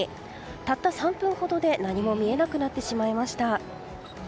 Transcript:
たった３分ほどで何も見えなくなってしまいました。